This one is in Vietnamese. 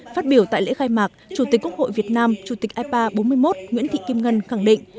phát biểu tại lễ khai mạc chủ tịch quốc hội việt nam chủ tịch ipa bốn mươi một nguyễn thị kim ngân khẳng định